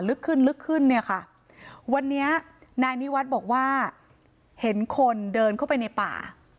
ลึกขึ้นลึกขึ้นเนี่ยค่ะวันนี้นายนิวัฒน์บอกว่าเห็นคนเดินเข้าไปในป่า